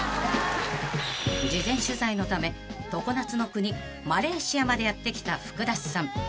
［事前取材のため常夏の国マレーシアまでやって来た福田さん］